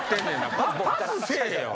パスせえよ。